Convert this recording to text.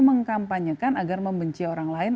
mengkampanyekan agar membenci orang lain